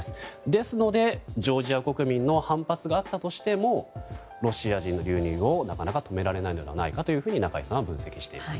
ですので、ジョージア国民の反発があったとしてもロシア人流入をなかなか止められないのではと中居さんは分析しています。